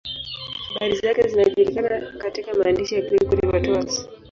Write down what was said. Habari zake zinajulikana katika maandishi ya Gregori wa Tours.